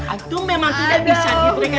atau memang tidak bisa diberikan